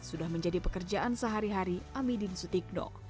sudah menjadi pekerjaan sehari hari ami dinsutikno